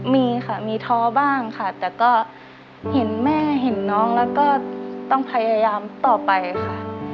มีค่ะมีท้อบ้างค่ะแต่ก็เห็นแม่เห็นน้องแล้วก็ต้องพยายามต่อไปค่ะ